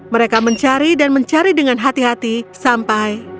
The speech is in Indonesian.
mereka mencari dan mencari dengan hati hati sampai